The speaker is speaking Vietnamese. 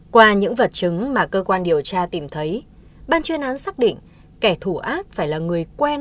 qua những vật chứng mà cơ quan điều tra tìm thấy ban chuyên án xác định kẻ thù ác phải là người quen